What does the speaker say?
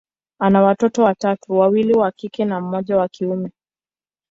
ana watoto watatu, wawili wa kike na mmoja wa kiume.